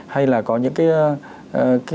hay là có những cái